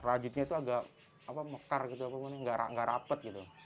rajutnya itu agak mekar gitu gak rapet gitu